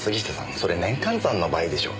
それ年換算の場合でしょう。